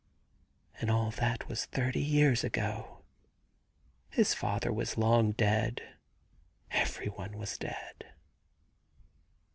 ... And all that was thirty years ago. His father was long dead. Every one was dead.